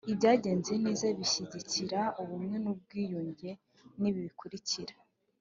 ibyagenze neza bishyigikira ubumwe n’ubwiyunge ni ibi bikurikira: